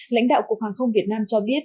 lãnh đạo cục hàng không việt nam cho biết